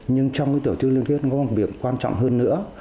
nhưng trong cái tổ chức liên kết có một việc quan trọng hơn nữa